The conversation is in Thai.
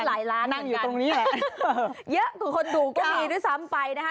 ก็หลายล้านเหมือนกันนั่งอยู่ตรงนี้แหละเยอะคนถูกก็มีด้วยซ้ำไปนะฮะ